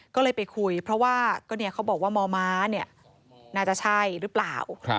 ก็เลยไปคุยเพราะว่าเขาบอกว่ามมน่าจะใช่หรือเปล่า